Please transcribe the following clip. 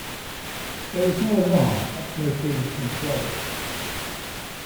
There was no alarm at Mercury Control.